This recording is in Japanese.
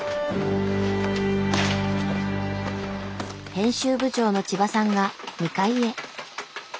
編集部長の千葉さんが２階へ。